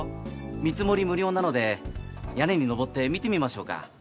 見積もり無料なので屋根に上って見てみましょうか。